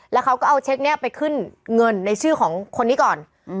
แล้วเขาก็เอาเช็คนี้ไปขึ้นเงินในชื่อของคนนี้ก่อน